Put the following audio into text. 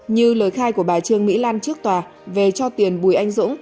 như lời khai của bà trương mỹ lan trước tòa về cho tiền bùi anh dũng